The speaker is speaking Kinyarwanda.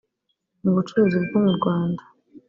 Mu bucuruzi bwo mu Rwanda